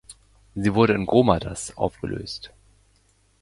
Sie wurde in Gromadas aufgelöst.